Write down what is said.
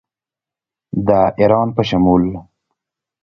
د ایران په شمول